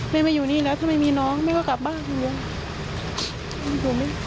แม่ไม่อยู่นี่แล้วทำไมมีน้องแม่ก็กลับบ้านอยู่